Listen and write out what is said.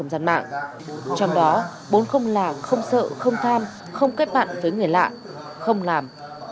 trong đó bốn không là không sợ không tham không kết bạn với người lạ không làm